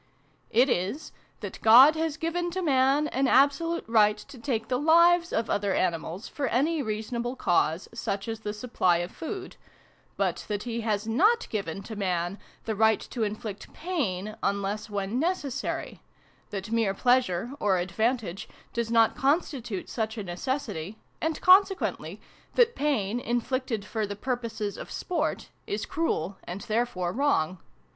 It is, that God has given to Man an absolute right to take the lives of other animals, for any reasonable cause, such as the supply of food : but that He has not given to Man the right to inflict pain, unless when necessary: that mere pleasure, or advantage, does not constitute such a necessity : and, con sequently, that pain, inflicted for the purposes of Sport, is cruel, and therefore wrong.